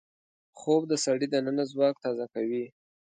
خوب د سړي دننه ځواک تازه کوي